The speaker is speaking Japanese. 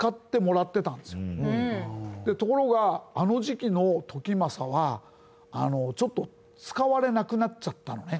ところがあの時期の時政はちょっと使われなくなっちゃったのね。